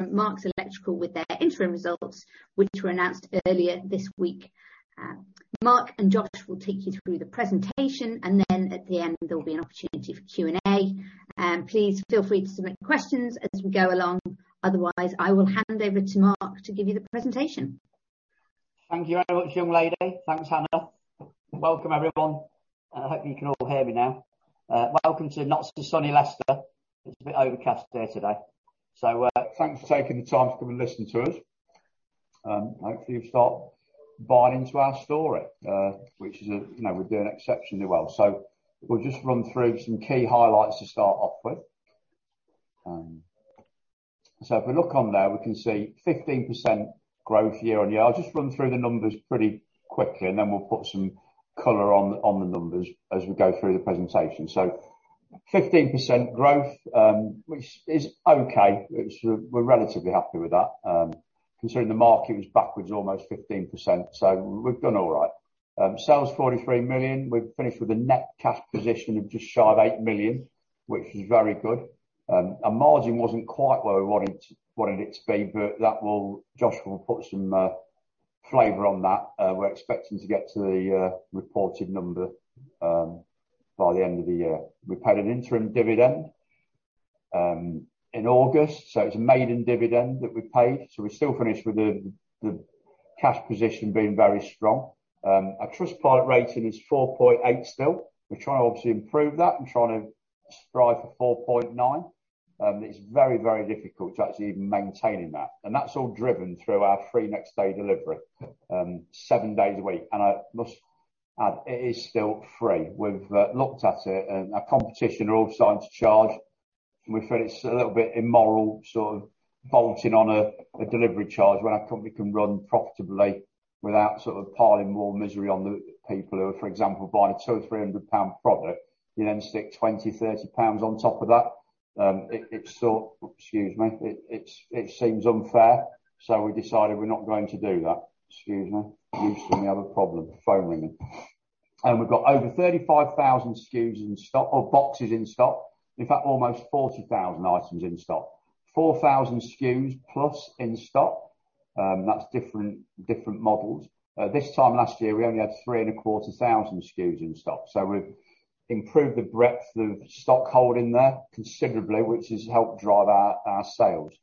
Marks Electrical with their interim results, which were announced earlier this week. Mark and Josh will take you through the presentation, and then at the end, there'll be an opportunity for Q&A. Please feel free to submit questions as we go along. Otherwise, I will hand over to Mark to give you the presentation. Thank you very much, young lady. Thanks, Hannah. Welcome, everyone. I hope you can all hear me now. Welcome to not-so-sunny Leicester. It's a bit overcast here today. Thanks for taking the time to come and listen to us. Hopefully you'll start buying into our story, which is a you know, we're doing exceptionally well. We'll just run through some key highlights to start off with. If we look on there, we can see 15% growth year-on-year. I'll just run through the numbers pretty quickly, and then we'll put some color on the numbers as we go through the presentation. 15% growth, which is okay. Which we're relatively happy with that, considering the market was backwards almost 15%, so we've done all right. Sales 43 million. We've finished with a net cash position of just shy of 8 million, which is very good. Margin wasn't quite where we wanted it to be, but Josh will put some flavor on that. We're expecting to get to the reported number by the end of the year. We paid an interim dividend in August, so it's a maiden dividend that we paid, so we still finished with the cash position being very strong. Our Trustpilot rating is 4.8 still. We're trying to obviously improve that and trying to strive for 4.9. It's very, very difficult to actually even maintaining that, and that's all driven through our free next day delivery seven days a week. I must add, it is still free. We've looked at it and our competition are all starting to charge. We feel it's a little bit immoral, sort of bolting on a delivery charge when our company can run profitably without sort of piling more misery on the people who are, for example, buying a 200-300 pound product and then stick 20-30 pounds on top of that. It seems unfair, so we decided we're not going to do that. We've got over 35,000 SKUs in stock or boxes in stock. In fact, almost 40,000 items in stock. 4,000 SKUs plus in stock. That's different models. This time last year, we only had 3,250 SKUs in stock, so we've improved the breadth of stock holding there considerably, which has helped drive our sales.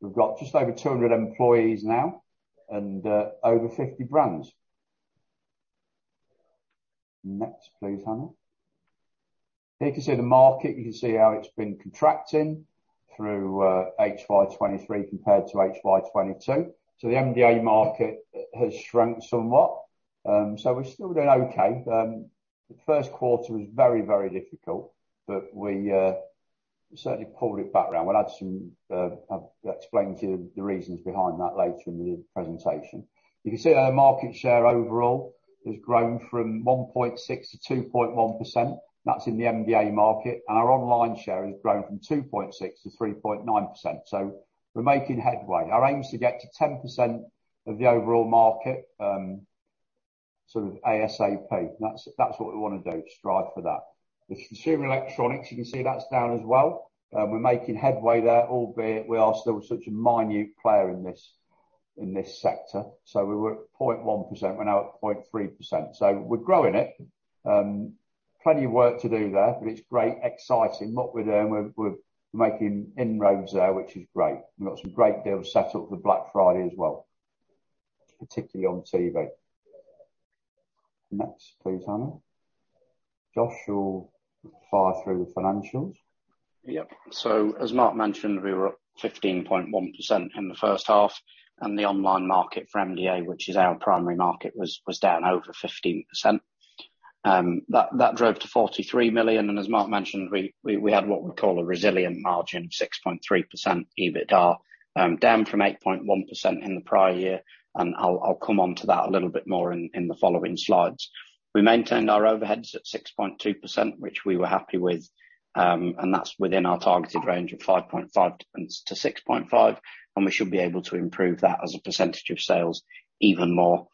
We've got just over 200 employees now and over 50 brands. Next, please, Hannah. Here you can see the market. You can see how it's been contracting through HY 2023 compared to HY 2022. The MDA market has shrunk somewhat. We're still doing okay. The first quarter was very difficult, but we certainly pulled it back around. We'll add some, I'll explain to you the reasons behind that later in the presentation. You can see that our market share overall has grown from 1.6%-2.1%. That's in the MDA market. Our online share has grown from 2.6%-3.9%, so we're making headway. Our aim is to get to 10% of the overall market, sort of ASAP. That's what we wanna do, strive for that. With consumer electronics, you can see that's down as well. We're making headway there, albeit we are still such a minute player in this sector. So we were at 0.1%. We're now at 0.3%, so we're growing it. Plenty of work to do there, but it's great, exciting, what we're doing. We're making inroads there, which is great. We've got some great deals set up for Black Friday as well, particularly on TV. Next, please, Hannah. Josh will fire through the financials. Yep. As Mark mentioned, we were up 15.1% in the first half. The online market for MDA, which is our primary market, was down over 15%. That drove to 43 million, and as Mark mentioned, we had what we call a resilient margin, 6.3% EBITDA, down from 8.1% in the prior year. I'll come onto that a little bit more in the following slides. We maintained our overheads at 6.2%, which we were happy with, and that's within our targeted range of 5.5%-6.5%, and we should be able to improve that as a percentage of sales even more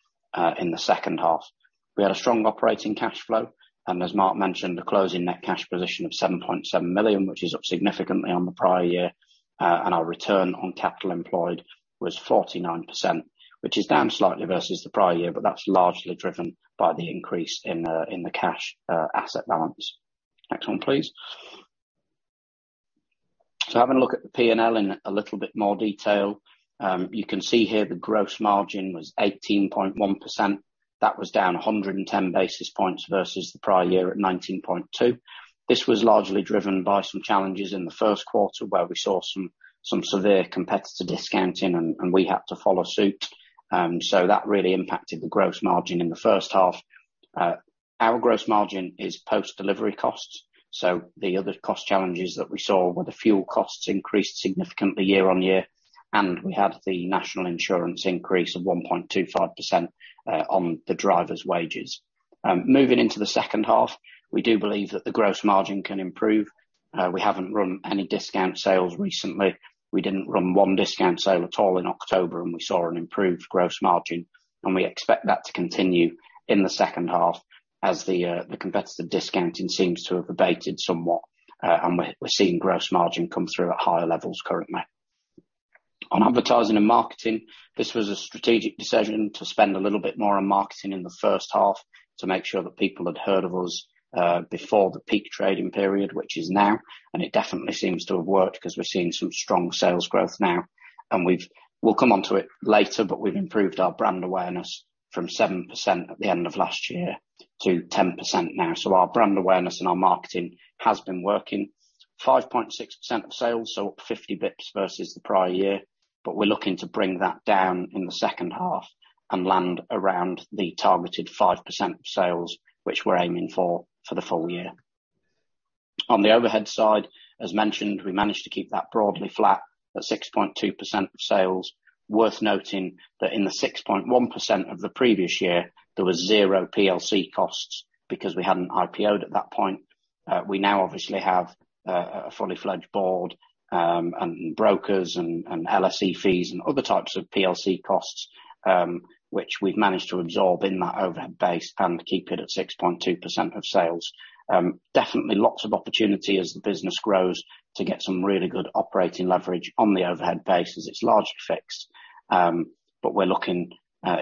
in the second half. We had a strong operating cash flow, and as Mark mentioned, a closing net cash position of 7.7 million, which is up significantly on the prior year. Our return on capital employed was 49%, which is down slightly versus the prior year, but that's largely driven by the increase in the cash asset balance. Next one, please. Having a look at the P&L in a little bit more detail, you can see here the gross margin was 18.1%. That was down 110 basis points versus the prior year at 19.2%. This was largely driven by some challenges in the first quarter, where we saw some severe competitor discounting and we had to follow suit. That really impacted the gross margin in the first half. Our gross margin is post-delivery costs, so the other cost challenges that we saw were the fuel costs increased significantly year-on-year, and we had the national insurance increase of 1.25% on the drivers' wages. Moving into the second half, we do believe that the gross margin can improve. We haven't run any discount sales recently. We didn't run one discount sale at all in October, and we saw an improved gross margin, and we expect that to continue in the second half as the competitor discounting seems to have abated somewhat. We're seeing gross margin come through at higher levels currently. On advertising and marketing, this was a strategic decision to spend a little bit more on marketing in the first half to make sure that people had heard of us, before the peak trading period, which is now. It definitely seems to have worked because we're seeing some strong sales growth now. We'll come onto it later, but we've improved our brand awareness from 7% at the end of last year to 10% now. Our brand awareness and our marketing has been working. 5.6% of sales, so up 50 basis points versus the prior year. We're looking to bring that down in the second half and land around the targeted 5% of sales, which we're aiming for the full-year. On the overhead side, as mentioned, we managed to keep that broadly flat at 6.2% of sales. Worth noting that in the 6.1% of the previous year, there was zero PLC costs because we hadn't IPO'd at that point. We now obviously have a fully-fledged board, and brokers and LSE fees and other types of PLC costs, which we've managed to absorb in that overhead base and keep it at 6.2% of sales. Definitely lots of opportunity as the business grows to get some really good operating leverage on the overhead base as it's largely fixed. We're looking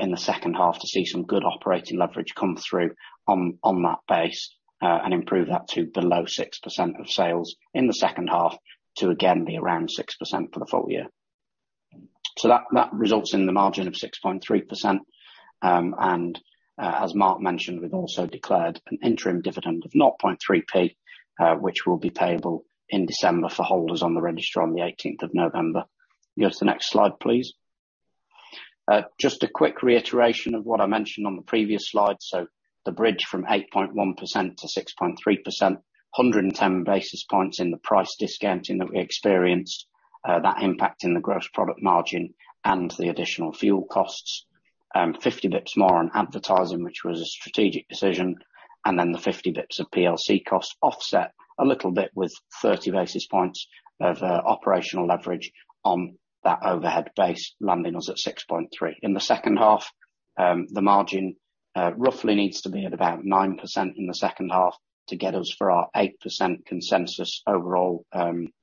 in the second half to see some good operating leverage come through on that base and improve that to below 6% of sales in the second half to again be around 6% for the full-year. That results in the margin of 6.3%. As Mark mentioned, we've also declared an interim dividend of 0.3p, which will be payable in December for holders on the register on the 18th of November. Go to the next slide, please. Just a quick reiteration of what I mentioned on the previous slide. The bridge from 8.1%-6.3%, 110 basis points in the price discounting that we experience, that impact in the gross profit margin and the additional fuel costs. 50 basis points more on advertising, which was a strategic decision, and then the 50 basis points of PLC costs offset a little bit with 30 basis points of operational leverage on that overhead base landing us at 6.3%. In the second half, the margin roughly needs to be at about 9% in the second half to get us to our 8% consensus overall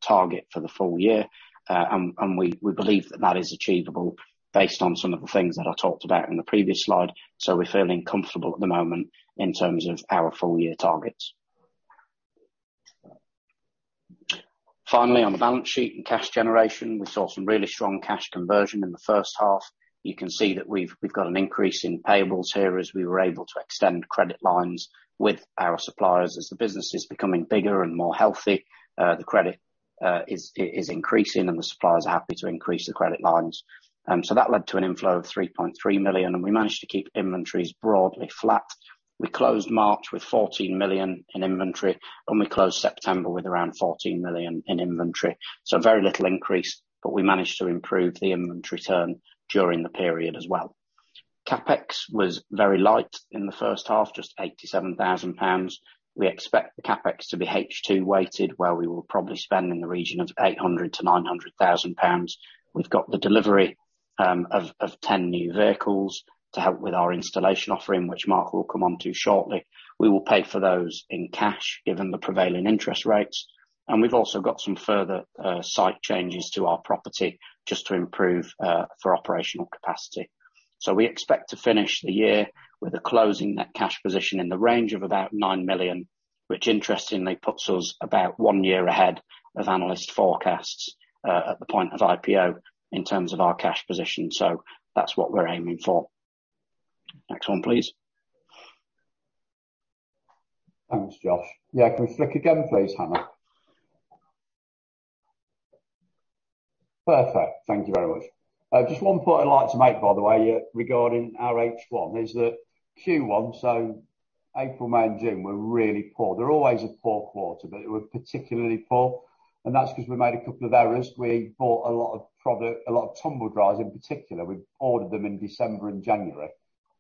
target for the full-year. We believe that that is achievable based on some of the things that I talked about in the previous slide. We're feeling comfortable at the moment in terms of our full-year targets. Finally, on the balance sheet and cash generation, we saw some really strong cash conversion in the first half. You can see that we've got an increase in payables here as we were able to extend credit lines with our suppliers. As the business is becoming bigger and more healthy, the credit is increasing and the suppliers are happy to increase the credit lines. That led to an inflow of 3.3 million, and we managed to keep inventories broadly flat. We closed March with 14 million in inventory, and we closed September with around 14 million in inventory. Very little increase, but we managed to improve the inventory turn during the period as well. CapEx was very light in the first half, just 87,000 pounds. We expect the CapEx to be H2 weighted, where we will probably spend in the region of 800,000-900,000 pounds. We've got the delivery of 10 new vehicles to help with our installation offering, which Mark will come onto shortly. We will pay for those in cash given the prevailing interest rates. We've also got some further site changes to our property just to improve for operational capacity. We expect to finish the year with a closing net cash position in the range of about 9 million, which interestingly puts us about one year ahead of analyst forecasts at the point of IPO in terms of our cash position. That's what we're aiming for. Next one, please. Thanks, Josh. Yeah, can we click again, please, Hannah? Perfect. Thank you very much. Just one point I'd like to make, by the way, regarding our H1 is that Q1, so April, May and June were really poor. They're always a poor quarter, but it were particularly poor, and that's 'cause we made a couple of errors. We bought a lot of tumble dryers in particular. We ordered them in December and January,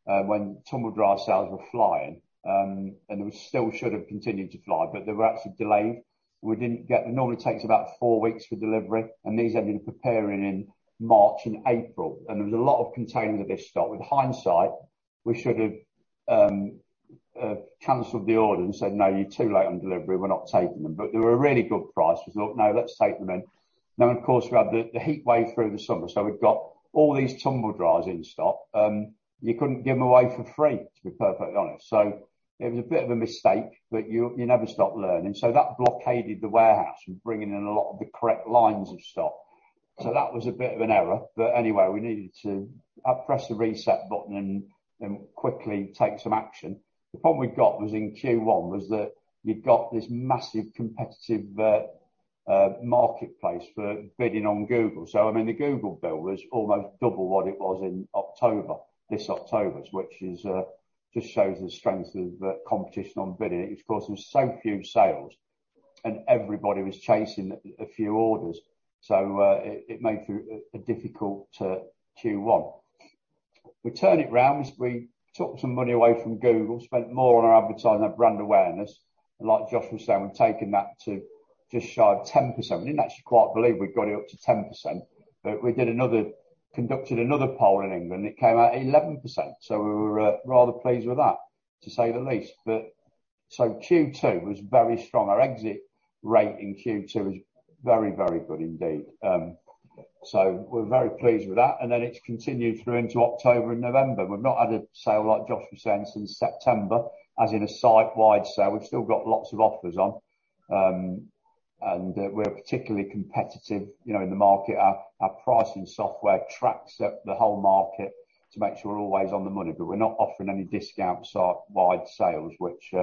when tumble dryer sales were flying, and they still should have continued to fly, but they were actually delayed. It normally takes about four weeks for delivery, and these ended up arriving in March and April, and there was a lot of containment of this stock. With hindsight, we should have canceled the order and said, "No, you're too late on delivery, we're not taking them." They were a really good price. We thought, "No, let's take them in." Now, of course, we had the heatwave through the summer, so we've got all these tumble dryers in stock. You couldn't give them away for free, to be perfectly honest. It was a bit of a mistake, but you never stop learning. That blockaded the warehouse from bringing in a lot of the correct lines of stock. That was a bit of an error. Anyway, we needed to press the reset button and quickly take some action. The problem we got was in Q1, that you'd got this massive competitive marketplace for bidding on Google. I mean, the Google bill was almost double what it was in October, this October, which just shows the strength of the competition on bidding. Of course, there was so few sales, and everybody was chasing a few orders, so it made for a difficult Q1. We turn it around as we took some money away from Google, spent more on our advertising and brand awareness. Like Josh was saying, we've taken that to just shy of 10%. We didn't actually quite believe we'd got it up to 10%, but we conducted another poll in England, it came out 11%. We were rather pleased with that, to say the least. Q2 was very strong. Our exit rate in Q2 was very, very good indeed. We're very pleased with that, and then it's continued through into October and November. We've not had a sale like Josh was saying since September, as in a site-wide sale. We've still got lots of offers on, and we're particularly competitive, you know, in the market. Our pricing software tracks the whole market to make sure we're always on the money, but we're not offering any discount site-wide sales, which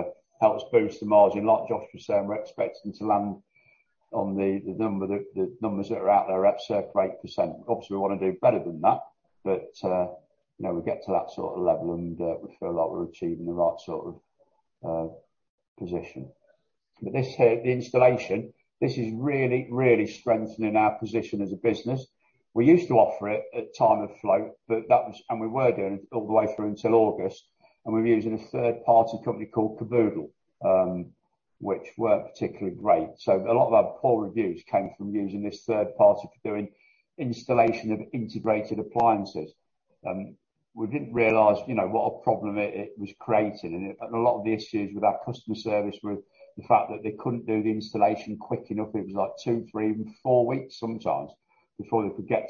helps boost the margin. Like Josh was saying, we're expecting to land on the numbers that are out there at circa 8%. Obviously, we wanna do better than that, but you know, we get to that sort of level, and we feel like we're achieving the right sort of position. But this here, the installation, this is really strengthening our position as a business. We used to offer it at time of float, but that was. We were doing it all the way through until August, and we were using a third-party company called Kaboodle, which weren't particularly great. A lot of our poor reviews came from using this third party for doing installation of integrated appliances. We didn't realize, you know, what a problem it was creating. A lot of the issues with our customer service were the fact that they couldn't do the installation quick enough. It was like two, three, even four weeks sometimes before they could get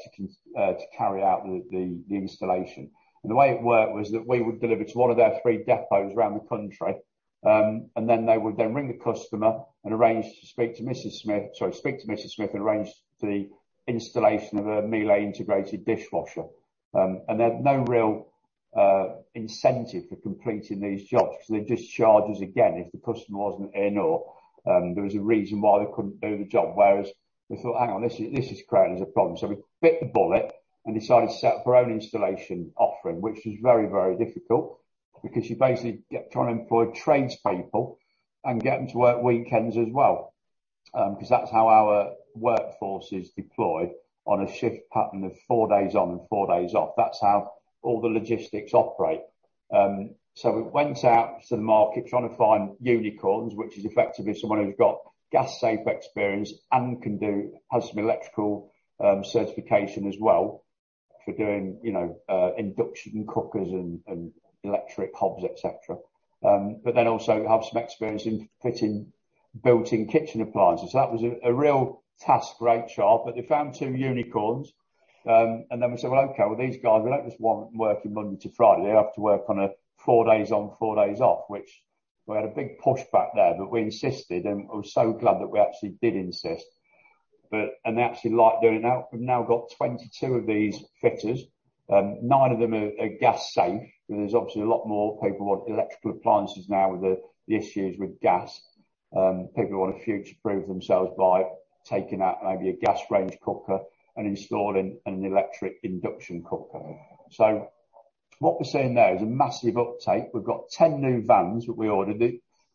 to carry out the installation. The way it worked was that we would deliver to ont of their three depots around the country, and then they would ring the customer and arrange to speak to Mrs. speak to Mrs. Smith and arrange for the installation of a Miele integrated dishwasher. They had no real incentive for completing these jobs because they'd just charge us again if the customer wasn't in or there was a reason why they couldn't do the job. Whereas we thought, hang on, this is creating us a problem. We bit the bullet and decided to set up our own installation offering, which was very, very difficult because you basically trying to employ tradespeople and get them to work weekends as well. 'Cause that's how our workforce is deployed on a shift pattern of four days on, four days off. That's how all the logistics operate. We went out to the market trying to find unicorns, which is effectively someone who's got Gas Safe experience and has some electrical certification as well for doing, you know, induction cookers and electric hobs, et cetera, but then also have some experience in fitting built-in kitchen appliances. That was a real task for HR, but they found two unicorns. We said, "Well, okay, well, these guys, we don't just want them working Monday to Friday. They have to work on a four days on, four days off," which we had a big pushback there, but we insisted, and we're so glad that we actually did insist. They actually like doing that. We've now got 22 of these fitters. Nine of them are Gas Safe, but there's obviously a lot more people want electrical appliances now with the issues with gas. People wanna future-proof themselves by taking out maybe a gas range cooker and installing an electric induction cooker. What we're seeing now is a massive uptake. We've got 10 new vans that we ordered.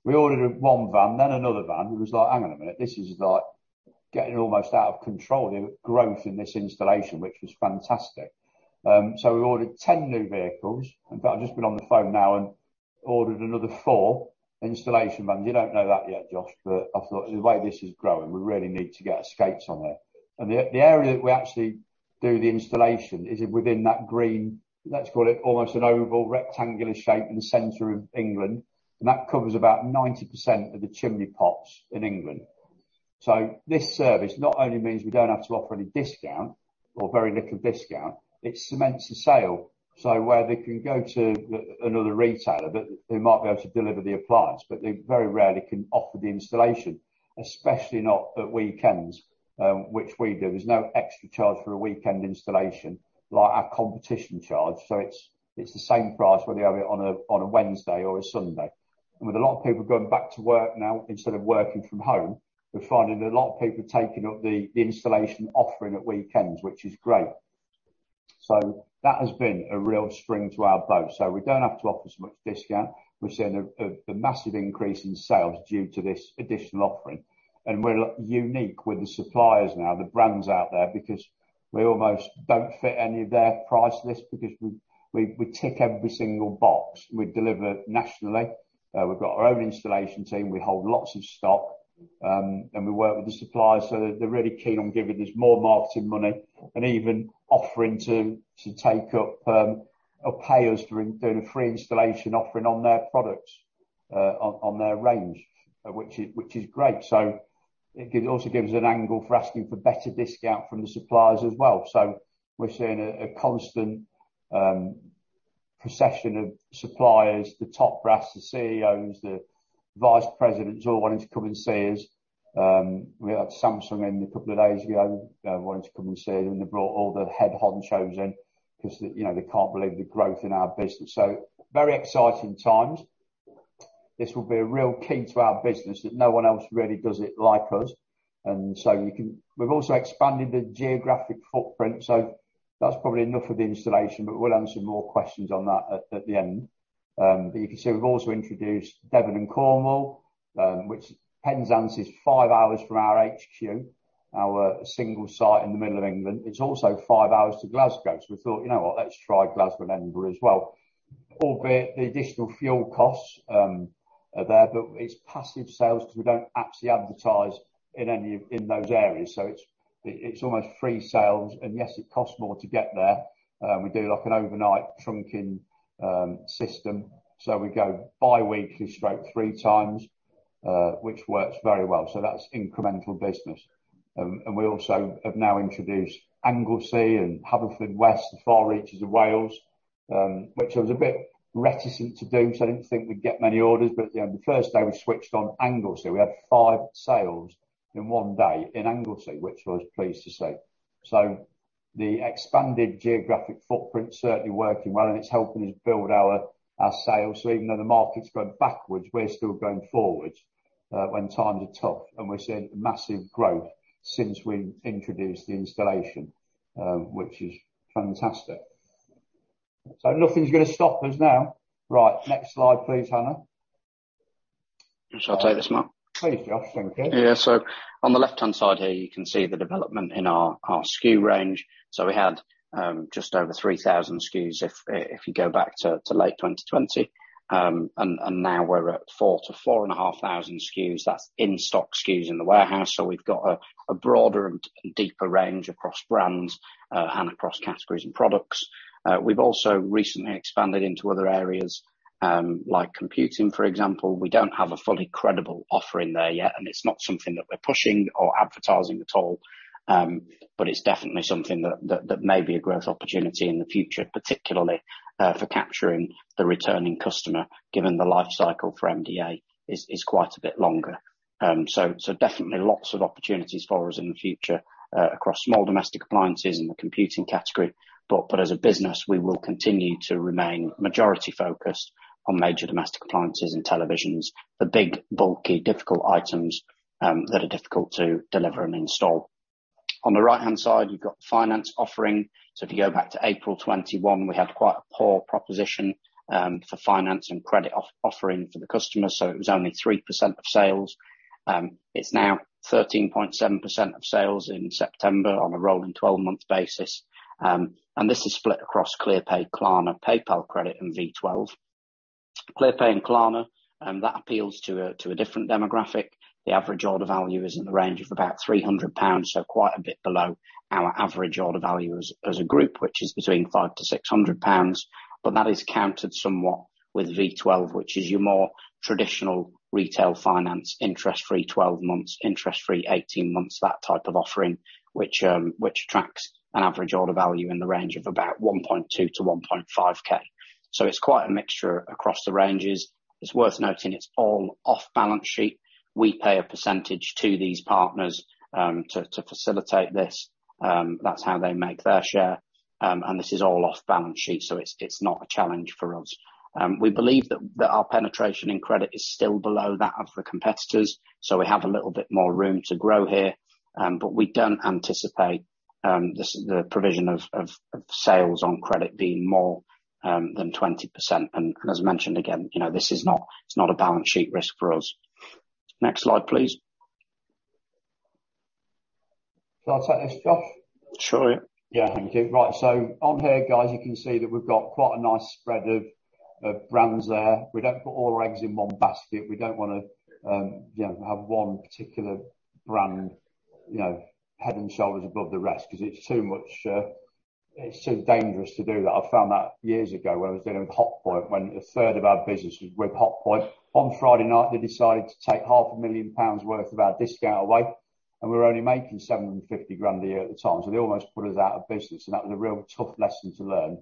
We ordered one van, then another van. It was like, hang on a minute, this is like getting almost out of control, the growth in this installation, which was fantastic. We ordered 10 new vehicles, in fact I've just been on the phone now and ordered another four installation vans. You don't know that yet, Josh, but I thought the way this is growing, we really need to get our skates on it. The area that we actually do the installation is within that green, let's call it almost an oval, rectangular shape in the center of England, and that covers about 90% of the chimney pots in England. This service not only means we don't have to offer any discount or very little discount, it cements the sale. Where they can go to another retailer that they might be able to deliver the appliance, but they very rarely can offer the installation, especially not at weekends, which we do. There's no extra charge for a weekend installation like our competitors charge, so it's the same price whether you have it on a Wednesday or a Sunday. With a lot of people going back to work now instead of working from home, we're finding a lot of people taking up the installation offering at weekends, which is great. That has been a real spring to our boat. We don't have to offer as much discount. We've seen a massive increase in sales due to this additional offering, and we're unique with the suppliers now, the brands out there, because we almost don't fit any of their price lists because we tick every single box. We deliver nationally. We've got our own installation team. We hold lots of stock and we work with the suppliers, so they're really keen on giving us more marketing money and even offering to take up or pay us to do a free installation offering on their products, on their range, which is great. It also gives an angle for asking for better discount from the suppliers as well. We're seeing a constant procession of suppliers, the top brass, the CEOs, the vice presidents all wanting to come and see us. We had Samsung in a couple of days ago, wanting to come and see, and they brought all the head honchos in because, you know, they can't believe the growth in our business. Very exciting times. This will be a real key to our business that no one else really does it like us. We've also expanded the geographic footprint, so that's probably enough of the installation, but we'll answer more questions on that at the end. You can see we've also introduced Devon and Cornwall, which Penzance is five hours from our HQ, our single site in the middle of England. It's also five hours to Glasgow. We thought, you know what, let's try Glasgow and Edinburgh as well, albeit the additional fuel costs are there, but it's passive sales 'cause we don't actually advertise in those areas. It's almost free sales, and yes, it costs more to get there. We do like an overnight trunking system, so we go bi-weekly/three times, which works very well. That's incremental business. We also have now introduced Anglesey and Haverfordwest, the far reaches of Wales, which I was a bit reticent to do because I didn't think we'd get many orders, but, you know, the first day we switched on Anglesey, we had five sales in one day in Anglesey, which I was pleased to see. The expanded geographic footprint's certainly working well, and it's helping us build our sales. Even though the market's going backwards, we're still going forward, when times are tough. We're seeing massive growth since we introduced the installation, which is fantastic. Nothing's gonna stop us now. Right. Next slide, please, Hannah. Shall I take this, Mark? Please, Josh. Thank you. Yeah. On the left-hand side here, you can see the development in our SKU range. We had just over 3,000 SKUs if you go back to late 2020. Now we're at 4,000-4,500 SKUs. That's in-stock SKUs in the warehouse. We've got a broader and deeper range across brands and across categories and products. We've also recently expanded into other areas, like computing, for example. We don't have a fully credible offering there yet, and it's not something that we're pushing or advertising at all, but it's definitely something that may be a growth opportunity in the future, particularly for capturing the returning customer, given the life cycle for MDA is quite a bit longer. Definitely lots of opportunities for us in the future across small domestic appliances and the computing category. As a business, we will continue to remain majority focused on major domestic appliances and televisions, the big, bulky, difficult items that are difficult to deliver and install. On the right-hand side, you've got the finance offering. If you go back to April 2021, we had quite a poor proposition for finance and credit offerings for the customers, so it was only 3% of sales. It's now 13.7% of sales in September on a rolling 12-month basis. And this is split across Clearpay, Klarna, PayPal Credit, and V12. Clearpay and Klarna that appeals to a different demographic. The average order value is in the range of about 300 pounds, so quite a bit below our average order value as a group, which is between 500-600 pounds. That is countered somewhat with V12, which is your more traditional retail finance, interest-free 12 months, interest-free 18 months, that type of offering, which tracks an average order value in the range of about 1,200-1,500. It's quite a mixture across the ranges. It's worth noting it's all off balance sheet. We pay a percentage to these partners to facilitate this. That's how they make their share. This is all off balance sheet, so it's not a challenge for us. We believe that our penetration in credit is still below that of the competitors, so we have a little bit more room to grow here. We don't anticipate the provision of sales on credit being more than 20%. As mentioned again, you know, this is not a balance sheet risk for us. Next slide, please. Shall I take this, Josh? Sure. Yeah, thank you. Right. On here, guys, you can see that we've got quite a nice spread of brands there. We don't put all our eggs in one basket. We don't wanna, you know, have one particular brand, you know, head and shoulders above the rest 'cause it's too much, it's too dangerous to do that. I found that years ago when I was dealing with Hotpoint, when 1/3 of our business was with Hotpoint. On Friday night, they decided to take 500,000 pounds worth of our discount away, and we were only making 750,000 a year at the time, so they almost put us out of business, and that was a real tough lesson to learn.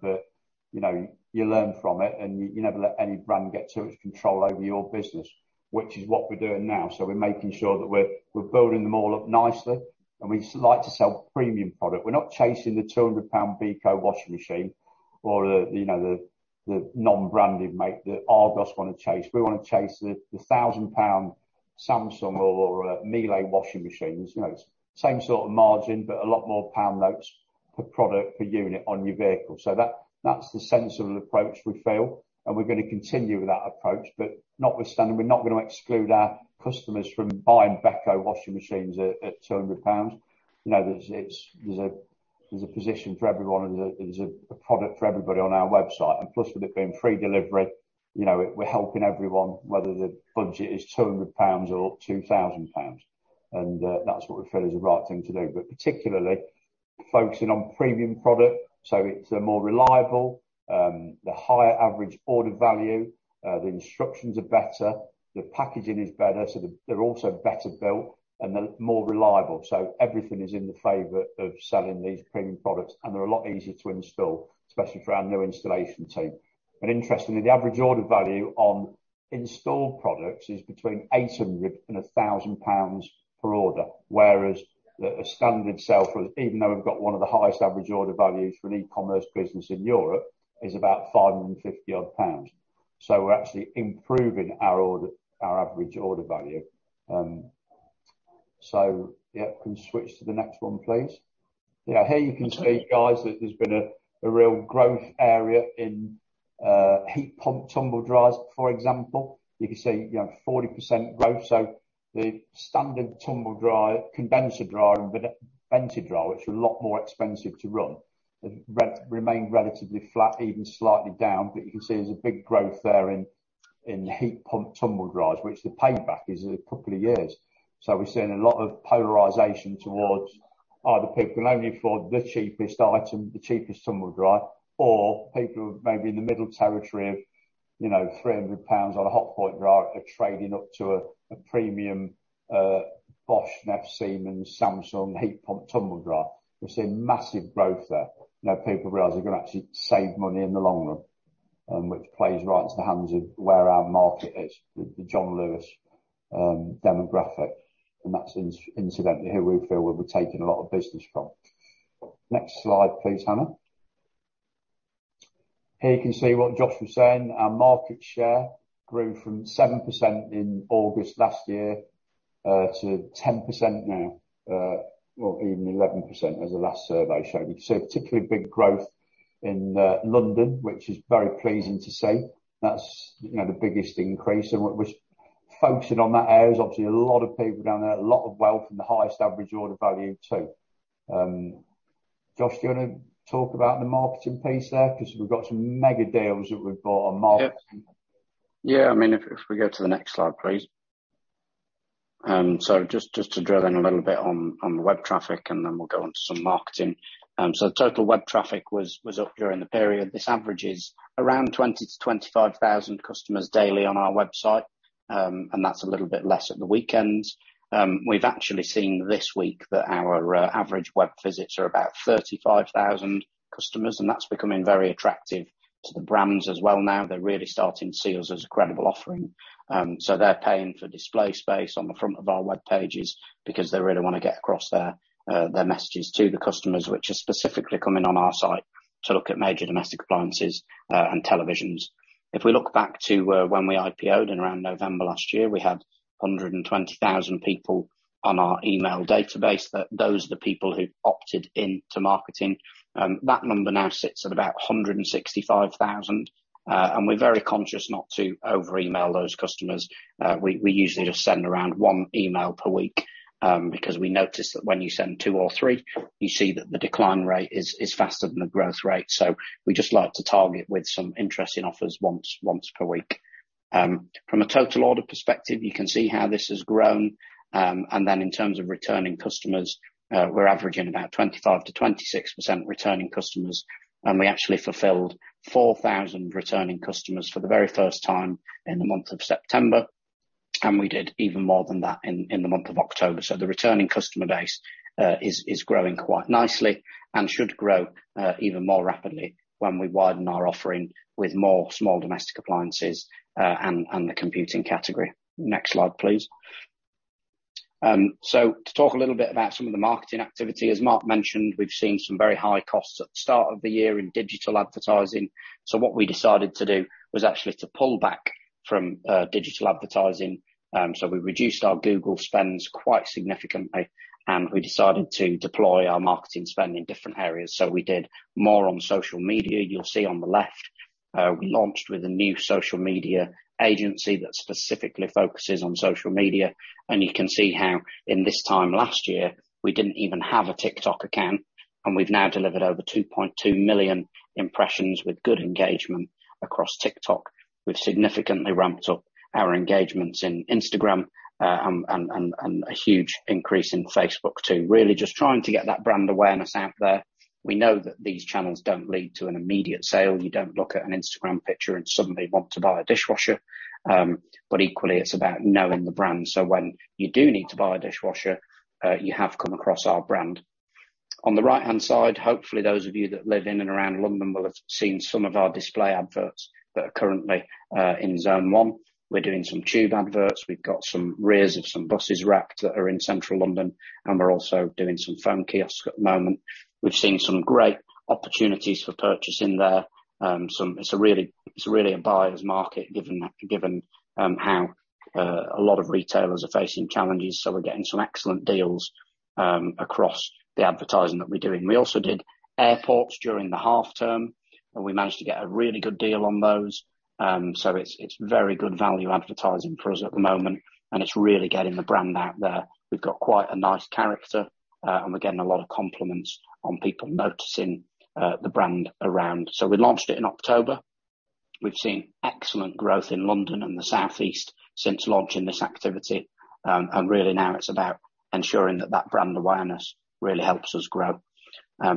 You know, you learn from it, and you never let any brand get too much control over your business, which is what we're doing now. We're making sure that we're building them all up nicely, and we like to sell premium product. We're not chasing the 200 pound Beko washing machine or the non-branded make that Argos wanna chase. We wanna chase the 1,000 pound Samsung or Miele washing machines. You know, it's same sort of margin, but a lot more pound notes per product, per unit on your vehicle. That's the sensible approach we feel, and we're gonna continue with that approach. Notwithstanding, we're not gonna exclude our customers from buying Beko washing machines at 200 pounds. You know, there's a position for everyone and there's a product for everybody on our website. Plus, with it being free delivery, you know, we're helping everyone, whether the budget is 200 pounds or 2,000 pounds. That's what we feel is the right thing to do. Particularly focusing on premium product, so it's more reliable. The higher average order value, the instructions are better, the packaging is better, so they're also better built and they're more reliable. Everything is in the favor of selling these premium products, and they're a lot easier to install, especially for our new installation team. Interestingly, the average order value on installed products is between 800 and 1,000 pounds per order, whereas the standard sale, even though we've got one of the highest average order values for an e-commerce business in Europe, is about 550 odd pounds. We're actually improving our order, our average order value. Can switch to the next one, please. Yeah. Here you can see, guys, that there's been a real growth area in heat pump tumble dryers, for example. You can see 40% growth. The standard tumble dryer, condenser dryer and vented dryer, which are a lot more expensive to run, have remained relatively flat, even slightly down. You can see there's a big growth there in heat pump tumble dryers, which the payback is a couple of years. We're seeing a lot of polarization towards either people only for the cheapest item, the cheapest tumble dryer, or people maybe in the middle territory of 300 pounds on a Hotpoint dryer are trading up to a premium Bosch, Neff, Siemens, Samsung heat pump tumble dryer. We're seeing massive growth there. People realize they're gonna actually save money in the long run, which plays right into the hands of where our market is, the John Lewis demographic. That's incidentally who we feel we'll be taking a lot of business from. Next slide, please, Hannah. Here you can see what Josh was saying. Our market share grew from 7% in August last year to 10% now, or even 11% as the last survey showed. We can see a particularly big growth in London, which is very pleasing to see. That's, you know, the biggest increase. We're focusing on that area. There's obviously a lot of people down there, a lot of wealth, and the highest average order value too. Josh, do you wanna talk about the marketing piece there? 'Cause we've got some mega deals that we've bought on marketing. Yeah. I mean, if we go to the next slide, please. Just to drill in a little bit on the web traffic, and then we'll go on to some marketing. Total web traffic was up during the period. This averages around 20,000-25,000 customers daily on our website, and that's a little bit less at the weekends. We've actually seen this week that our average web visits are about 35,000 customers, and that's becoming very attractive to the brands as well now. They're really starting to see us as a credible offering. They're paying for display space on the front of our web pages because they really wanna get across their messages to the customers, which are specifically coming on our site to look at major domestic appliances, and televisions. If we look back to when we IPO'd in around November last year, we had 120,000 people on our email database. Those are the people who opted into marketing. That number now sits at about 165,000. We're very conscious not to over-email those customers. We usually just send around one email per week because we noticed that when you send two or three, you see that the decline rate is faster than the growth rate. We just like to target with some interesting offers once per week. From a total order perspective, you can see how this has grown. In terms of returning customers, we're averaging about 25%-26% returning customers, and we actually fulfilled 4,000 returning customers for the very first time in the month of September, and we did even more than that in the month of October. The returning customer base is growing quite nicely and should grow even more rapidly when we widen our offering with more small domestic appliances and the computing category. Next slide, please. To talk a little bit about some of the marketing activity, as Mark mentioned, we've seen some very high costs at the start of the year in digital advertising. What we decided to do was actually to pull back from digital advertising. We reduced our Google spends quite significantly, and we decided to deploy our marketing spend in different areas. We did more on social media. You'll see on the left, we launched with a new social media agency that specifically focuses on social media, and you can see how in this time last year, we didn't even have a TikTok account, and we've now delivered over 2.2 million impressions with good engagement across TikTok. We've significantly ramped up our engagements in Instagram and a huge increase in Facebook too. Really just trying to get that brand awareness out there. We know that these channels don't lead to an immediate sale. You don't look at an Instagram picture and suddenly want to buy a dishwasher. Equally, it's about knowing the brand, so when you do need to buy a dishwasher, you have come across our brand. On the right-hand side, hopefully those of you that live in and around London will have seen some of our display adverts that are currently in Zone 1. We're doing some tube adverts. We've got some rears of some buses wrapped that are in Central London, and we're also doing some phone kiosk at the moment. We've seen some great opportunities for purchasing there. It's really a buyer's market given how a lot of retailers are facing challenges, so we're getting some excellent deals across the advertising that we're doing. We also did airports during the half term, and we managed to get a really good deal on those. It's very good value advertising for us at the moment, and it's really getting the brand out there. We've got quite a nice character, and we're getting a lot of compliments on people noticing the brand around. We launched it in October. We've seen excellent growth in London and the South East since launching this activity. Really now it's about ensuring that that brand awareness really helps us grow.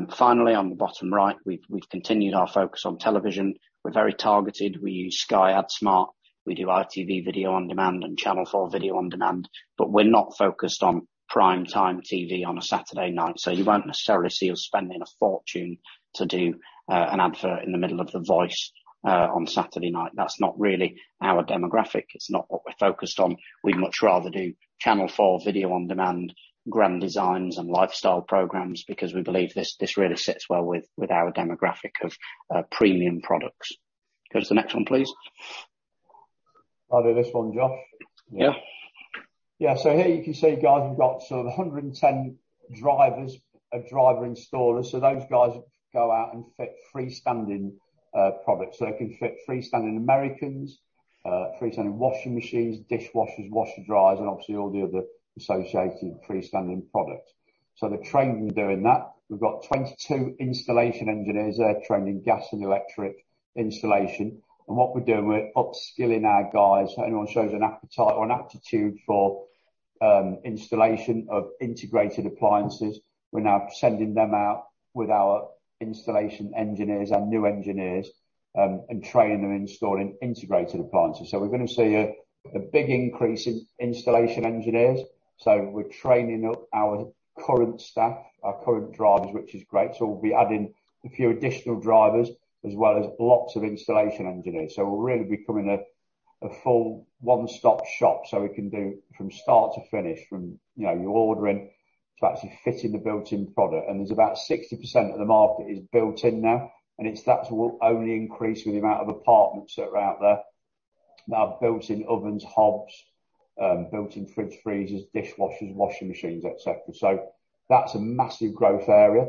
Finally on the bottom right, we've continued our focus on television. We're very targeted. We use Sky AdSmart, we do ITV video on demand and Channel 4 video on demand, but we're not focused on prime time TV on a Saturday night. You won't necessarily see us spending a fortune to do an advert in the middle of The Voice on Saturday night. That's not really our demographic. It's not what we're focused on. We'd much rather do Channel 4 video on demand, Grand Designs and lifestyle programs because we believe this really sits well with our demographic of premium products. Go to the next one, please. I'll do this one, Josh. Yeah. Yeah. Here you can see, guys, we've got sort of 110 drivers, driver installers. Those guys go out and fit freestanding products. They can fit freestanding Americans, freestanding washing machines, dishwashers, washer dryers, and obviously all the other associated freestanding product. They're training doing that. We've got 22 installation engineers, they're training gas and electric installation. What we're doing, we're upskilling our guys. Anyone shows an appetite or an aptitude for installation of integrated appliances, we're now sending them out with our installation engineers and new engineers, and training them installing integrated appliances. We're gonna see a big increase in installation engineers. We're training up our current staff, our current drivers, which is great. We'll be adding a few additional drivers, as well as lots of installation engineers. We're really becoming a full one-stop shop, so we can do from start to finish, from you know your ordering to actually fitting the built-in product. There's about 60% of the market is built-in now, and that will only increase with the amount of apartments that are out there, that are built-in ovens, hobs, built-in fridge freezers, dishwashers, washing machines, et cetera. That's a massive growth area.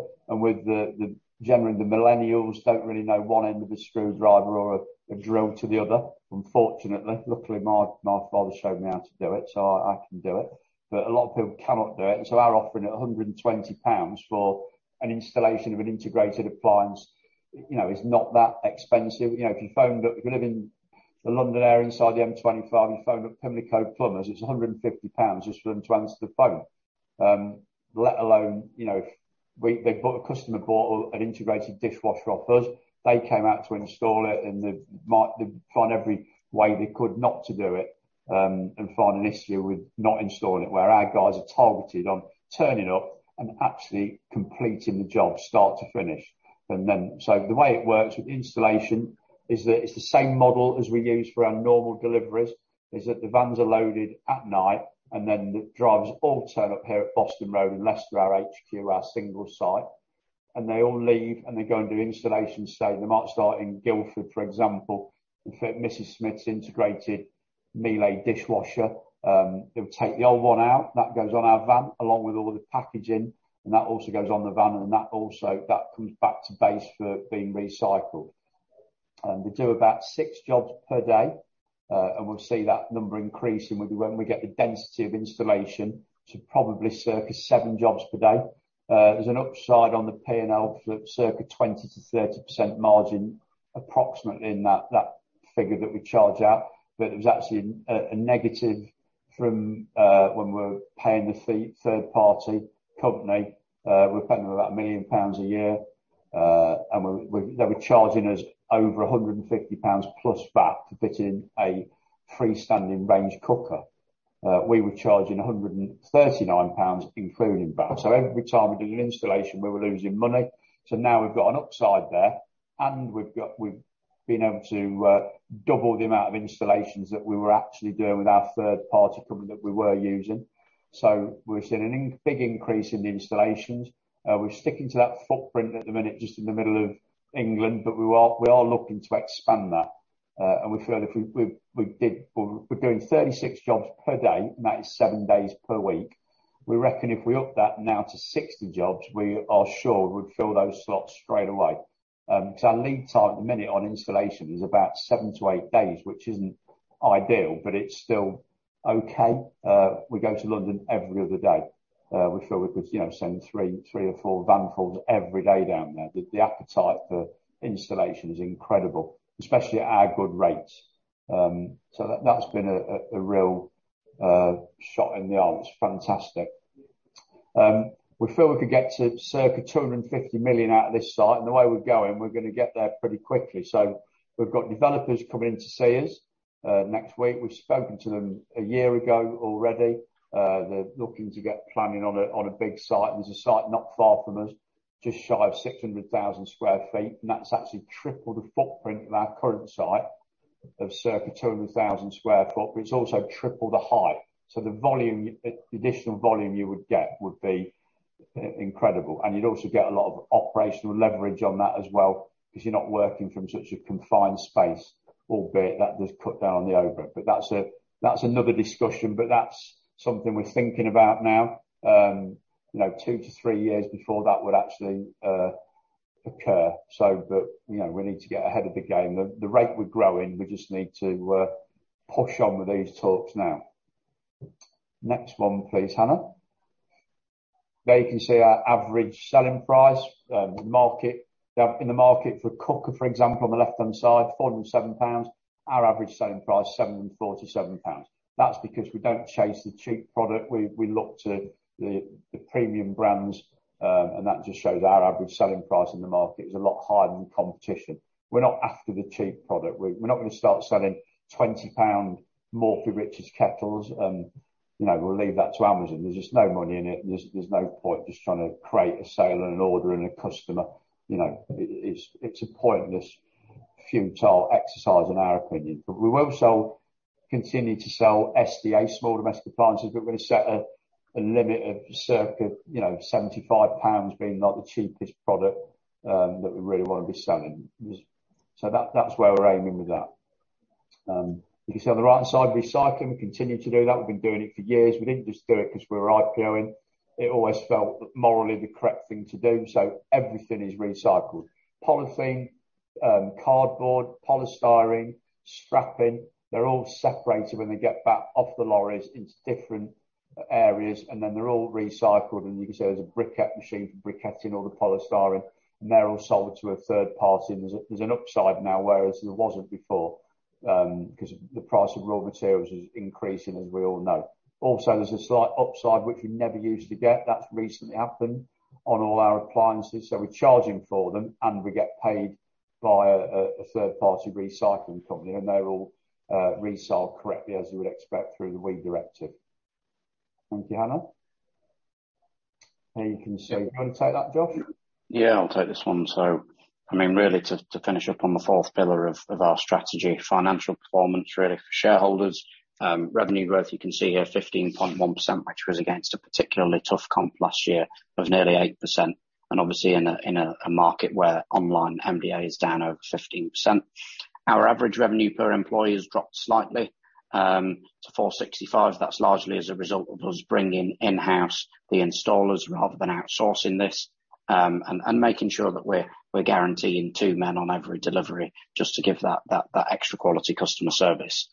Generally the millennials don't really know one end of a screwdriver or a drill to the other, unfortunately. Luckily, my father showed me how to do it, so I can do it. A lot of people cannot do it. Our offering at 120 pounds for an installation of an integrated appliance, you know, is not that expensive. You know, if you phoned up, if you live in the London area inside the M25, and you phone up Pimlico Plumbers, it's 150 pounds just for them to answer the phone. Let alone, you know, a customer bought an integrated dishwasher off us, they came out to install it, and they find every way they could not to do it, and find an issue with not installing it, where our guys are targeted on turning up and actually completing the job start to finish. The way it works with installation is that it's the same model as we use for our normal deliveries, is that the vans are loaded at night and then the drivers all turn up here at Boston Road and Leicester, our HQ, our single site, and they all leave and they go and do installations. Say they might start in Guildford, for example, and fit Mrs. Smith's integrated Miele dishwasher. They'll take the old one out, that goes on our van, along with all the packaging, and that also goes on the van, that comes back to base for being recycled. They do about six jobs per day. We'll see that number increasing when we get the density of installation to probably circa seven jobs per day. There's an upside on the P&L for circa 20%-30% margin approximately in that figure that we charge out, but there's actually a negative from when we're paying the fee to third party company. We're paying them about 1 million pounds a year. They were charging us over 150 pounds plus VAT to fit in a freestanding range cooker. We were charging 139 pounds including VAT. Every time we did an installation, we were losing money. Now we've got an upside there and we've been able to double the amount of installations that we were actually doing with our third party company that we were using. We've seen a big increase in the installations. We're sticking to that footprint at the minute just in the middle of England, but we are looking to expand that. We feel we're doing 36 jobs per day, and that is seven days per week. We reckon if we up that now to 60 jobs, we are sure we'd fill those slots straight away. 'Cause our lead time at the minute on installation is about seven to eight days, which isn't ideal, but it's still okay. We go to London every other day. We feel we could, you know, send three or four vanfuls every day down there. The appetite for installation is incredible, especially at our good rates. That's been a real shot in the arm. It's fantastic. We feel we could get to circa 250 million out of this site, and the way we're going, we're gonna get there pretty quickly. We've got developers coming in to see us next week. We've spoken to them a year ago already. They're looking to get planning on a big site. There's a site not far from us, just shy of 600,000 sq ft, and that's actually triple the footprint of our current site of circa 200,000 sq ft, but it's also triple the height. The volume, the additional volume you would get would be incredible. You'd also get a lot of operational leverage on that as well, 'cause you're not working from such a confined space, albeit that does cut down on the overhead. That's another discussion, but that's something we're thinking about now. You know, two to three years before that would actually occur. You know, we need to get ahead of the game. The rate we're growing, we just need to push on with these talks now. Next one please, Hannah. There you can see our average selling price. The market in the market for a cooker, for example, on the left-hand side, 407 pounds. Our average selling price, 747 pounds. That's because we don't chase the cheap product. We look to the premium brands, and that just shows our average selling price in the market is a lot higher than the competition. We're not after the cheap product. We're not gonna start selling 20 pound Morphy Richards kettles. You know, we'll leave that to Amazon. There's just no money in it. There's no point just trying to create a sale and an order and a customer, you know, it's a pointless, futile exercise in our opinion. We will continue to sell SDA, small domestic appliances, but we're gonna set a limit of circa 75 pounds being like the cheapest product that we really wanna be selling. That's where we're aiming with that. You can see on the right side, recycling, we continue to do that. We've been doing it for years. We didn't just do it 'cause we were IPO'ing. It always felt morally the correct thing to do, so everything is recycled. Polythene, cardboard, polystyrene, strapping, they're all separated when they get back off the lorries into different areas, and then they're all recycled, and you can see there's a briquette machine for briquetting all the polystyrene, and they're all sold to a third party. There's an upside now, whereas there wasn't before, 'cause the price of raw materials is increasing, as we all know. Also, there's a slight upside, which we never used to get, that's recently happened on all our appliances, so we're charging for them, and we get paid by a third-party recycling company, and they're all resold correctly, as you would expect, through the WEEE Directive. Thank you, Hannah. Now you can see. Do you wanna take that, Josh? Yeah, I'll take this one. I mean, really to finish up on the fourth pillar of our strategy, financial performance really for shareholders. Revenue growth, you can see here 15.1%, which was against a particularly tough comp last year of nearly 8%, and obviously in a market where online MDA is down over 15%. Our average revenue per employee has dropped slightly to 465. That's largely as a result of us bringing in-house the installers rather than outsourcing this, and making sure that we're guaranteeing two men on every delivery just to give that extra quality customer service.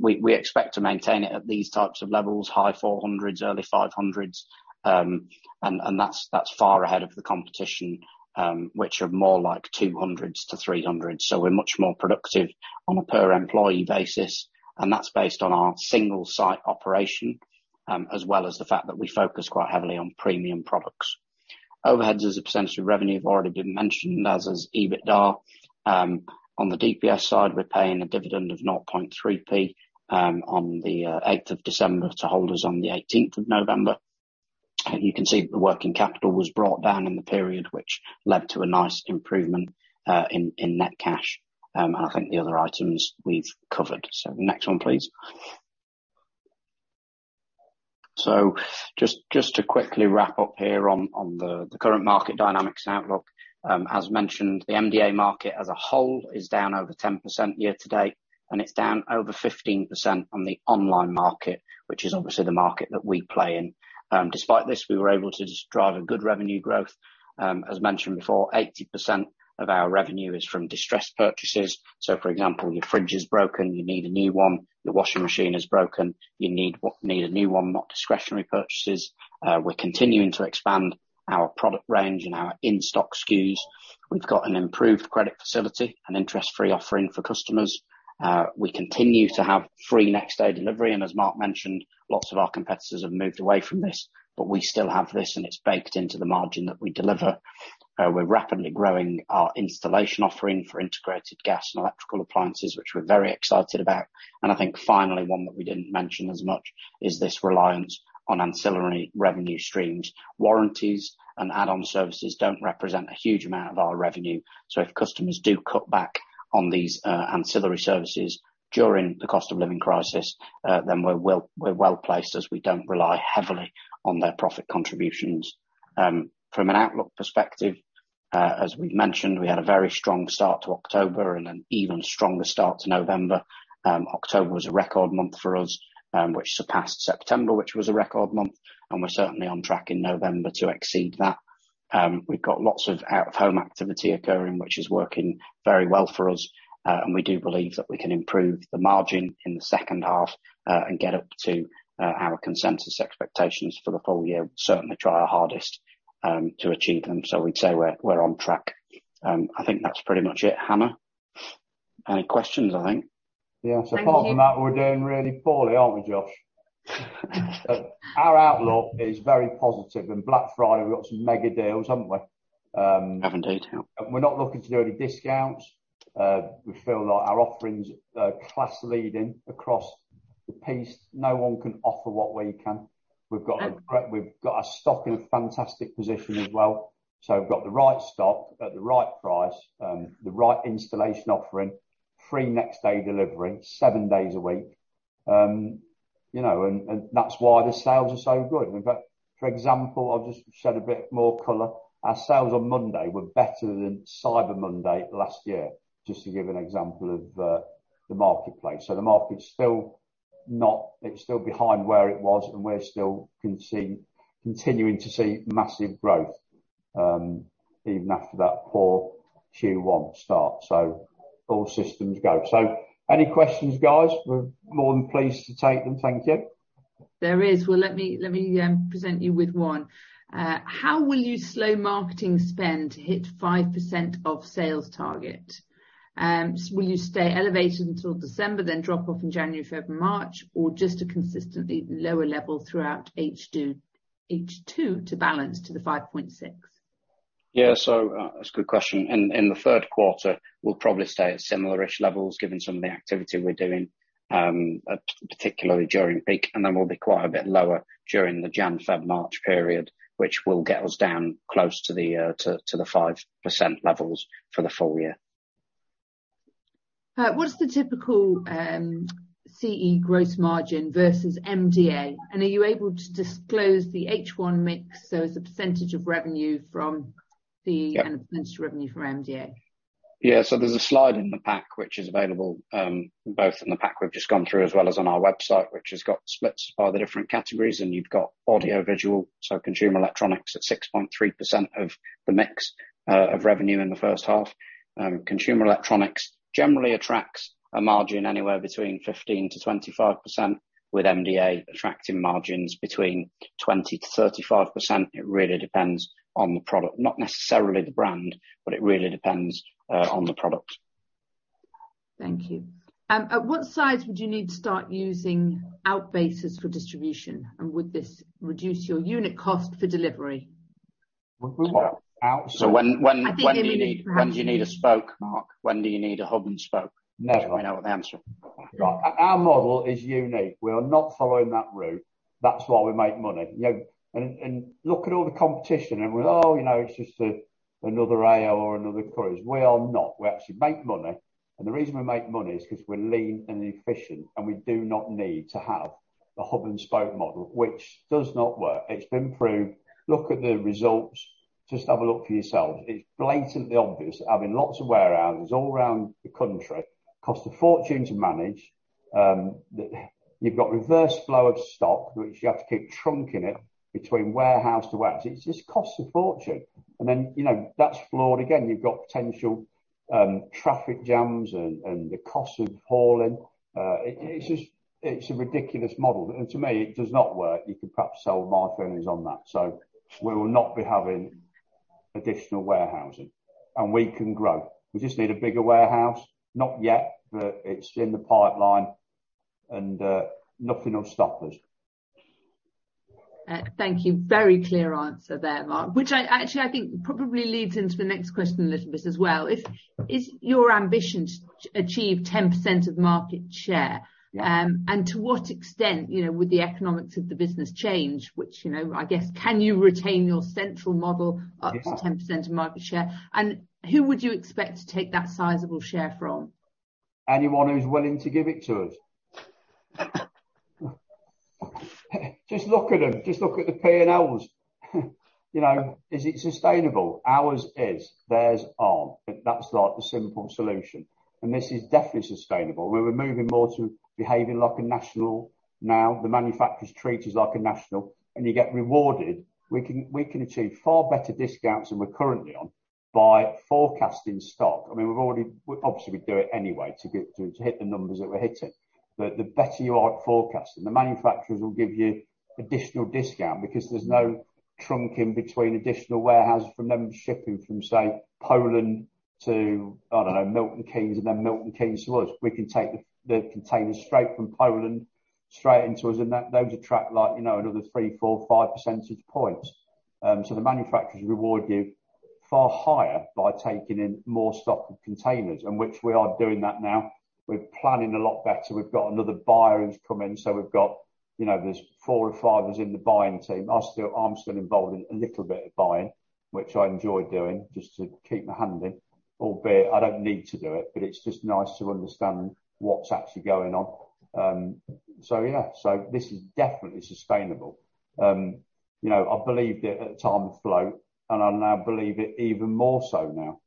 We expect to maintain it at these types of levels, high 400s, early 500s, and that's far ahead of the competition, which are more like 200s-300s. We're much more productive on a per employee basis, and that's based on our single site operation, as well as the fact that we focus quite heavily on premium products. Overheads as a percentage of revenue have already been mentioned, as is EBITDA. On the DPS side, we're paying a dividend of GBP 0.3p on the eighth of December to holders on the 18th of November. You can see that the working capital was brought down in the period, which led to a nice improvement in net cash. I think the other items we've covered. Next one, please. Just to quickly wrap up here on the current market dynamics outlook. As mentioned, the MDA market as a whole is down over 10% year to date, and it's down over 15% on the online market, which is obviously the market that we play in. Despite this, we were able to drive a good revenue growth. As mentioned before, 80% of our revenue is from distressed purchases. For example, your fridge is broken, you need a new one. Your washing machine is broken, you need a new one, not discretionary purchases. We're continuing to expand our product range and our in-stock SKUs. We've got an improved credit facility and interest-free offering for customers. We continue to have free next day delivery, and as Mark mentioned, lots of our competitors have moved away from this, but we still have this and it's baked into the margin that we deliver. We're rapidly growing our installation offering for integrated gas and electrical appliances, which we're very excited about. I think finally, one that we didn't mention as much is this reliance on ancillary revenue streams. Warranties and add-on services don't represent a huge amount of our revenue. If customers do cut back on these, ancillary services during the cost of living crisis, then we're well placed as we don't rely heavily on their profit contributions. From an outlook perspective, as we've mentioned, we had a very strong start to October and an even stronger start to November. October was a record month for us, which surpassed September, which was a record month, and we're certainly on track in November to exceed that. We've got lots of out-of-home activity occurring, which is working very well for us, and we do believe that we can improve the margin in the second half, and get up to our consensus expectations for the full-year. Certainly try our hardest to achieve them. We'd say we're on track. I think that's pretty much it. Hannah? Any questions, I think. Yeah. Thank you. Apart from that, we're doing really poorly, aren't we, Josh? Our outlook is very positive, and Black Friday we've got some mega deals, haven't we? We have indeed, yeah. We're not looking to do any discounts. We feel like our offerings are class-leading across the piece. No one can offer what we can. We've got our stock in a fantastic position as well. We've got the right stock at the right price, the right installation offering, free next day delivery, seven days a week. You know, and that's why the sales are so good. We've got, for example, I'll just shed a bit more color. Our sales on Monday were better than Cyber Monday last year, just to give an example of the marketplace. The market's still not. It's still behind where it was, and we're still seeing, continuing to see massive growth, even after that poor Q1 start. All systems go. Any questions, guys? We're more than pleased to take them. Thank you. There is. Well, let me present you with one. How will you slow marketing spend to hit 5% of sales target? Will you stay elevated until December, then drop off in January, February, March, or just a consistently lower level throughout H2 to balance to the 5.6? Yeah, that's a good question. In the third quarter, we'll probably stay at similar-ish levels given some of the activity we're doing, particularly during peak, and then we'll be quite a bit lower during the Jan, Feb, March period, which will get us down close to the 5% levels for the full-year. What is the typical CE gross margin versus MDA? Are you able to disclose the H1 mix, so as a percentage of revenue from the. Yeah. Kind of financial revenue from MDA? Yeah, there's a slide in the pack which is available, both in the pack we've just gone through as well as on our website, which has got splits by the different categories, and you've got audio visual, so consumer electronics at 6.3% of the mix of revenue in the first half. Consumer electronics generally attracts a margin anywhere between 15%-25%, with MDA attracting margins between 20%-35%. It really depends on the product, not necessarily the brand, but it really depends on the product. Thank you. At what size would you need to start using outbases for distribution, and would this reduce your unit cost for delivery? Well. When do you need? I think it would be. When do you need a spoke, Mark? When do you need a hub and spoke? Never. Do you want to answer? Our model is unique. We are not following that route. That's why we make money. You know, and look at all the competition and we're, you know, it's just another AO or another Currys. We are not. We actually make money, and the reason we make money is 'cause we're lean and efficient, and we do not need to have the hub and spoke model, which does not work. It's been proved. Look at the results. Just have a look for yourselves. It's blatantly obvious. Having lots of warehouses all around the country costs a fortune to manage. You've got reverse flow of stock, which you have to keep trunking it between warehouse to warehouse. It just costs a fortune. Then, you know, that's flawed again. You've got potential traffic jams and the cost of hauling. It's just, it's a ridiculous model. To me, it does not work. You could perhaps share my feelings on that. We will not be having additional warehousing, and we can grow. We just need a bigger warehouse. Not yet, but it's in the pipeline and nothing will stop us. Thank you. Very clear answer there, Mark, which I actually think probably leads into the next question a little bit as well. Is your ambition to achieve 10% of market share? Yeah. To what extent, you know, would the economics of the business change? Which, you know, I guess can you retain your central model up to. Yeah 10% of market share? Who would you expect to take that sizable share from? Anyone who's willing to give it to us. Just look at them. Just look at the P&Ls. You know, is it sustainable? Ours is. Theirs aren't. That's like the simple solution. This is definitely sustainable. We're moving more to behaving like a national now. The manufacturers treat us like a national, and you get rewarded. We can achieve far better discounts than we're currently on by forecasting stock. I mean, we've already obviously we do it anyway to get to hit the numbers that we're hitting. The better you are at forecasting, the manufacturers will give you additional discount because there's no trucking between additional warehouses from them shipping from, say, Poland to, I don't know, Milton Keynes and then Milton Keynes to us. We can take the containers straight from Poland straight into us, and those attract like, you know, another three, four, five percentage points. The manufacturers reward you far higher by taking in more stock of containers, and which we are doing that now. We're planning a lot better. We've got another buyer who's come in, so we've got, you know, there's four or five of us in the buying team. I'm still involved in a little bit of buying, which I enjoy doing just to keep my hand in, albeit I don't need to do it, but it's just nice to understand what's actually going on. Yeah. This is definitely sustainable. You know, I believed it at the time of float, and I now believe it even more so now.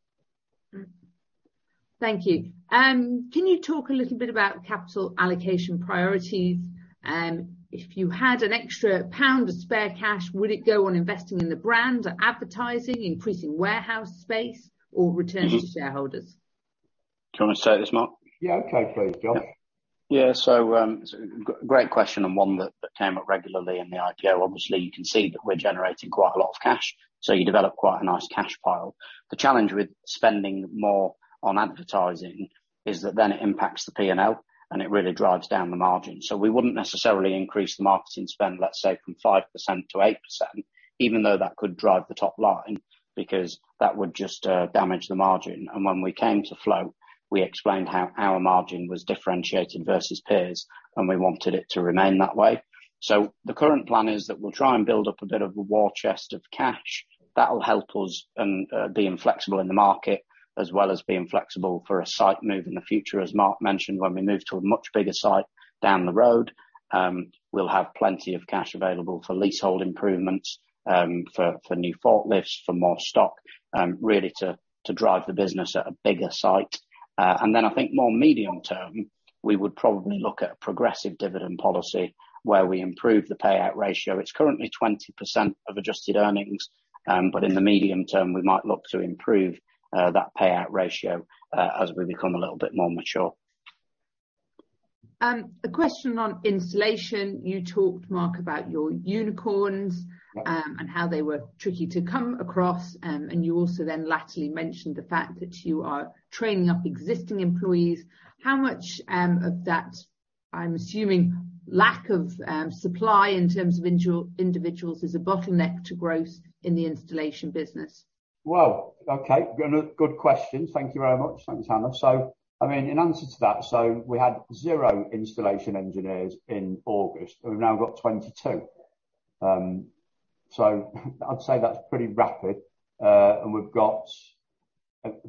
Thank you. Can you talk a little bit about capital allocation priorities? If you had an extra pound of spare cash, would it go on investing in the brand or advertising, increasing warehouse space or returning to shareholders? Do you want me to take this, Mark? Yeah. Okay. Please, Josh. Yeah. Great question and one that came up regularly in the IPO. Obviously you can see that we're generating quite a lot of cash, so you develop quite a nice cash pile. The challenge with spending more on advertising is that then it impacts the P&L, and it really drives down the margin. We wouldn't necessarily increase the marketing spend, let's say from 5%-8%, even though that could drive the top line, because that would just damage the margin. When we came to float, we explained how our margin was differentiated versus peers, and we wanted it to remain that way. The current plan is that we'll try and build up a bit of a war chest of cash. That'll help us being flexible in the market, as well as being flexible for a site move in the future. As Mark mentioned, when we move to a much bigger site down the road, we'll have plenty of cash available for leasehold improvements, for new forklifts, for more stock, really to drive the business at a bigger site. I think more medium term, we would probably look at a progressive dividend policy where we improve the payout ratio. It's currently 20% of adjusted earnings, but in the medium term, we might look to improve that payout ratio, as we become a little bit more mature. A question on installation. You talked, Mark, about your unicorns- Yeah How they were tricky to come across. You also then latterly mentioned the fact that you are training up existing employees. How much of that, I'm assuming lack of supply in terms of individuals, is a bottleneck to growth in the installation business? Well, okay, good question. Thank you very much. Thanks, Hannah. I mean, in answer to that, we had zero installation engineers in August, and we've now got 22. I'd say that's pretty rapid. We've got,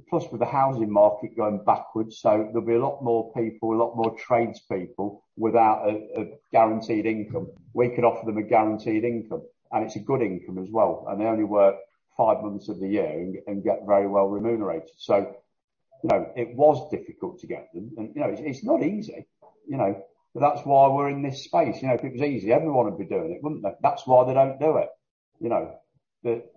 plus with the housing market going backwards, so there'll be a lot more people, a lot more tradespeople without a guaranteed income. We can offer them a guaranteed income, and it's a good income as well, and they only work five months of the year and get very well remunerated. You know, it was difficult to get them and, you know, it's not easy, you know, but that's why we're in this space. You know, if it was easy, everyone would be doing it, wouldn't they? That's why they don't do it. You know,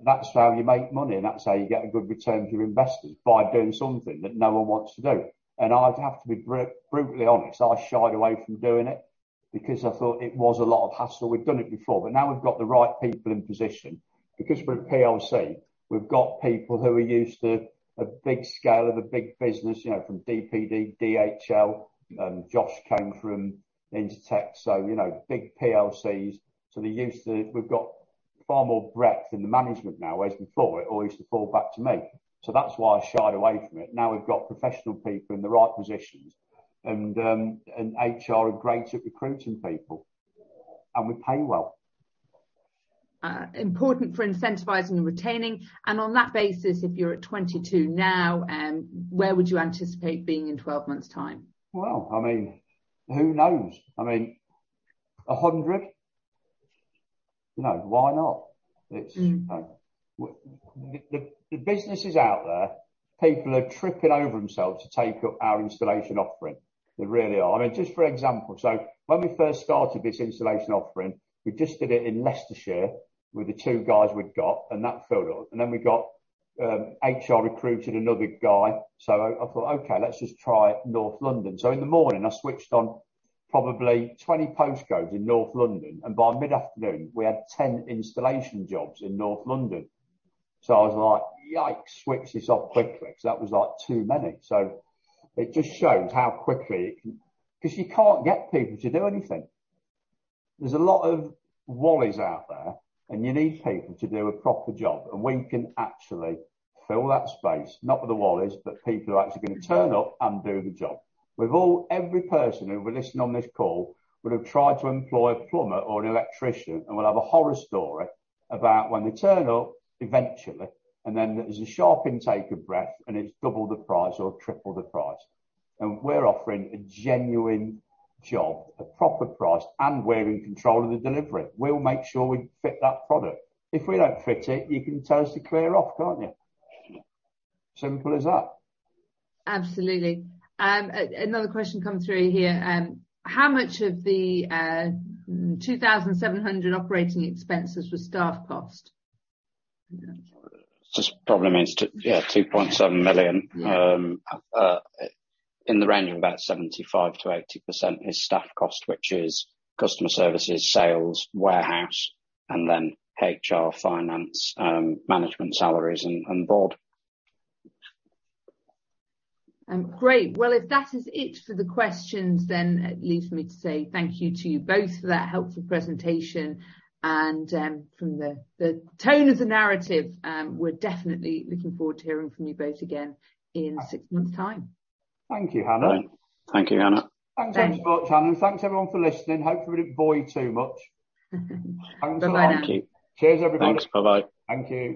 that's how you make money, and that's how you get a good return to your investors by doing something that no one wants to do. I'd have to be brutally honest, I shied away from doing it because I thought it was a lot of hassle. We've done it before. Now we've got the right people in position because we're a PLC. We've got people who are used to a big scale of a big business, you know, from DPD, DHL, Josh came from Intertek, so you know, big PLCs. They're used to big PLCs. We've got far more breadth in the management now, whereas before it all used to fall back to me. That's why I shied away from it. Now we've got professional people in the right positions and HR are great at recruiting people, and we pay well. Important for incentivizing and retaining. On that basis, if you're at 22 now, where would you anticipate being in 12 months time? Well, I mean, who knows? I mean, 100. You know, why not? Mm. You know. The business is out there. People are tripping over themselves to take up our installation offering. They really are. I mean, just for example, when we first started this installation offering, we just did it in Leicestershire with the two guys we'd got, and that filled up. Then we got HR recruited another guy, I thought, "Okay, let's just try North London." In the morning, I switched on probably 20 postcodes in North London, and by mid-afternoon we had 10 installation jobs in North London. I was like, "Yikes. Switch this off quickly," 'cause that was, like, too many. It just shows how quickly it can. 'Cause you can't get people to do anything. There's a lot of wallies out there, and you need people to do a proper job. We can actually fill that space, not with the wallies, but people who are actually gonna turn up and do the job. With all, every person who will listen on this call would have tried to employ a plumber or an electrician and will have a horror story about when they turn up eventually, and then there's a sharp intake of breath, and it's double the price or triple the price. We're offering a genuine job, a proper price, and we're in control of the delivery. We'll make sure we fit that product. If we don't fit it, you can tell us to clear off, can't you? Simple as that. Absolutely. Another question comes through here. How much of the 2,700 operating expenses was staff cost? Just probably means two, yeah, 2.7 million. Yeah. In the range of about 75%-80% is staff cost, which is customer services, sales, warehouse, and then HR, finance, management salaries and board. Great. Well, if that is it for the questions, then it leaves me to say thank you to you both for that helpful presentation and, from the the tone of the narrative, we're definitely looking forward to hearing from you both again in six months' time. Thank you, Hannah. Thank you, Hannah. Thank you. Thanks very much, Hannah. Thanks everyone for listening. Hope we didn't bore you too much. Bye-bye. Thank you. Cheers, everybody. Thanks. Bye-bye. Thank you.